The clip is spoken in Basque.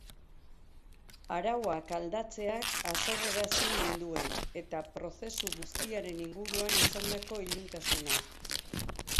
Arauak aldatzeak haserrearazi ninduen, eta prozesu guztiaren inguruan izandako iluntasuna.